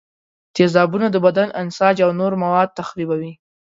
تیزابونه د بدن انساج او نور مواد تخریبوي.